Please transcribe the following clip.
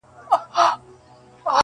تر کارګه یې په سل ځله حال بتر دی-